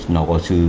nó có sự